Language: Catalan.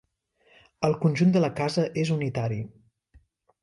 El conjunt de la casa és unitari.